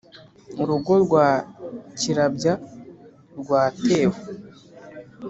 urugo rwa kirabya, rwatewe